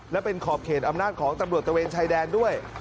และเป็นขอบเขตอำนาจของตำรวจตะเวนชายแดนด้วย